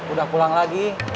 udah pulang lagi